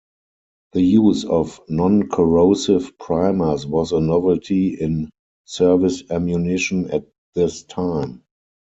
The use of non-corrosive primers was a novelty in service ammunition at this time.